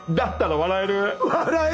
笑える！